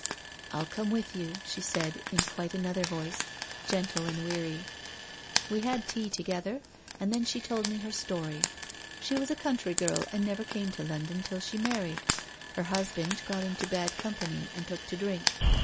' I'll come with you,' she said in quite another voice, * gentle and weary. We had tea together, and then she told me her story. She was a country girl and never came to London till she married. Her husband got into bad company and took to drink.